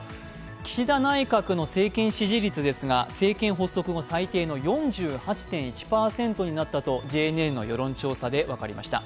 岸田内閣の政権支持率ですが、政権発足後最低の４８．１％になったとＪＮＮの世論調査で分かりました。